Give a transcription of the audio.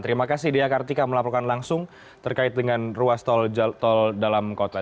terima kasih dea kartika melaporkan langsung terkait dengan ruas tol dalam kota